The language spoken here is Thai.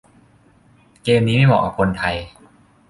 'เกม' นี้ไม่เหมาะกับคนไทย